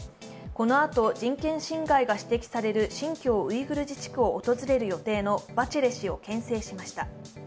このあと、人権侵害が指摘される新疆ウイグル自治区を訪れる予定のバチェレ氏をけん制しました。